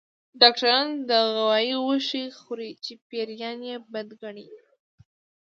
ډاکټران د غوايي غوښه خوري چې پيريان يې بد ګڼي